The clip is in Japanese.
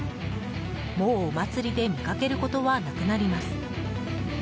もうお祭りで見かけることはなくなります。